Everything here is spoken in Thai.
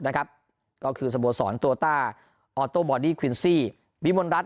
นะครับก็คือสบศรตัวตาออตโตบอดี้ควินซี่วิมลรัต